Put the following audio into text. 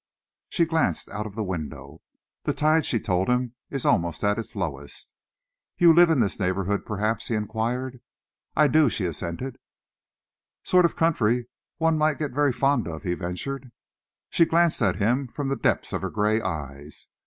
She glanced out of the window. "The tide," she told him, "is almost at its lowest." "You live in this neighbourhood, perhaps?" he enquired. "I do," she assented. "Sort of country one might get very fond of," he ventured. She glanced at him from the depths of her grey eyes.